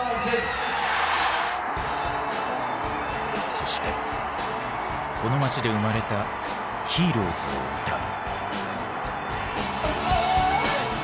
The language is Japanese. そしてこの街で生まれた「Ｈｅｒｏｅｓ」を歌う。